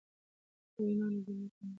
يو ایمان او بل نیک عمل.